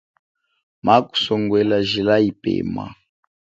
Kamusongwela jila yipema.